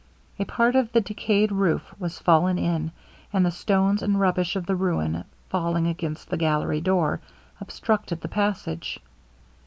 A part of the decayed roof was fallen in, and the stones and rubbish of the ruin falling against the gallery door, obstructed the passage.